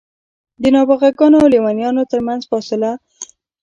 د نابغه ګانو او لېونیانو ترمنځ فاصله.